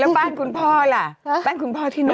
แล้วบ้านคุณพ่อล่ะบ้านคุณพ่อที่ไหน